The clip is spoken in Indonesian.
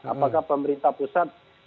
apakah pemerintah pusat